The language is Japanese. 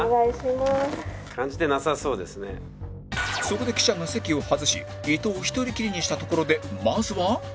そこで記者が席を外し伊藤を１人きりにしたところでまずは